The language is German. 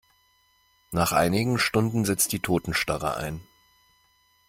Nach einigen Stunden setzt die Totenstarre ein.